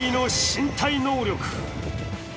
驚異の身体能力。